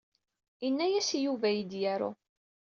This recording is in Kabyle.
Ini-as i Yuba ad iyi-d-yaru.